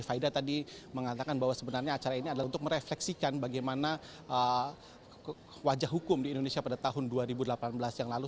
faida tadi mengatakan bahwa sebenarnya acara ini adalah untuk merefleksikan bagaimana wajah hukum di indonesia pada tahun dua ribu delapan belas yang lalu